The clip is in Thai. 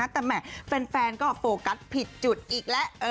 แต่แหม่แฟนก็โฟกัสผิดจุดอีกแล้ว